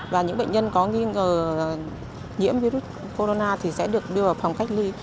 và những bệnh nhân có nghi ngờ nhiễm virus corona thì sẽ được đưa vào phòng cách ly